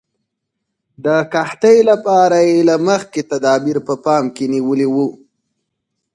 د قحطۍ لپاره یې له مخکې تدابیر په پام کې نیولي وو.